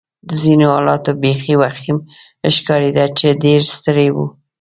د ځینو حالت بېخي وخیم ښکارېده چې ډېر ستړي ول.